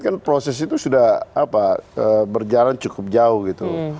kan proses itu sudah berjalan cukup jauh gitu